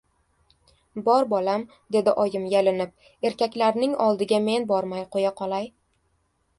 — Bor, bolam, — dedi oyim yalinib, — erkaklarning oldiga men bormay qo‘ya qolay.